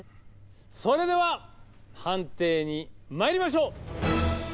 それでは判定にまいりましょう。